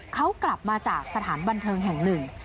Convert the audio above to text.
เขากลับมาจากสถานบันเทิงแห่งหนึ่ง